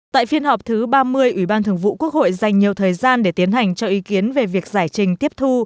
tại phiên họp thứ ba mươi ủy ban thường vụ quốc hội dành nhiều thời gian để tiến hành cho ý kiến về việc giải trình tiếp thu